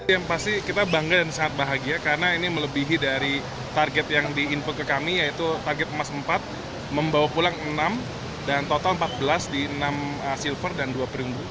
yang pasti kita bangga dan sangat bahagia karena ini melebihi dari target yang di input ke kami yaitu target emas empat membawa pulang enam dan total empat belas di enam silver dan dua perunggu